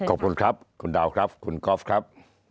ขอบคุณครับคุณดาวครับคุณกอล์ฟครับ